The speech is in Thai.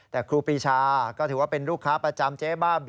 แต่ครูปีชาก็ถือว่าเป็นลูกค้าประจำเจ๊บ้า